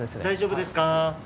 大丈夫ですか？